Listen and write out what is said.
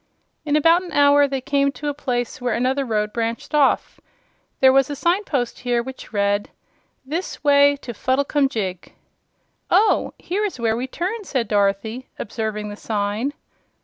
In about an hour they came to a place where another road branched off. There was a sign post here which read: THIS WAY TO FUDDLECUMJIG "Oh, here is where we turn," said Dorothy, observing the sign.